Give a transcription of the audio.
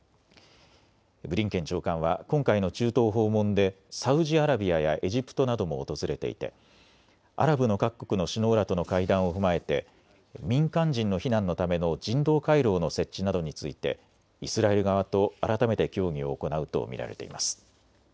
ブリンケン長官は今回の中東訪問でサウジアラビアやエジプトなども訪れていてアラブの各国の首脳らとの会談を踏まえて民間人の避難のための人道回廊の設置などについてイスラエル側と改めて協議を行うと見られています。